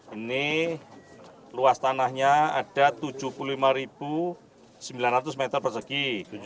ini luas tanahnya ada tujuh puluh lima sembilan ratus meter persegi